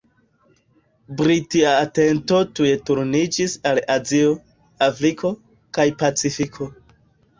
Britia atento tuj turniĝis al Azio, Afriko, kaj Pacifiko.